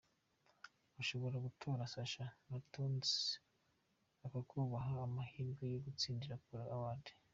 Ushobora gutora Sacha na Tonzi ukabaha amahirwe yo gutsindira Kora Awards.